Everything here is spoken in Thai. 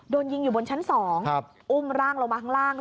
โดนยิงอยู่บนชั้น๒อุ้มร่างลงมาข้างล่าง